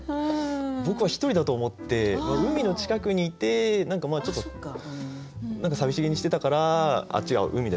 僕は１人だと思って海の近くにいて何かちょっと何か寂しげにしてたから「あっちが海だよ」っていう。